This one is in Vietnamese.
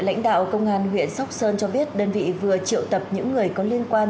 lãnh đạo công an huyện sóc sơn cho biết đơn vị vừa triệu tập những người có liên quan